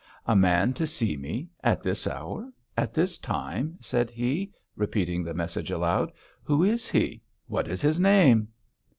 'A man to see me at this hour at this time,' said he, repeating the message aloud. 'Who is he? What is his name?'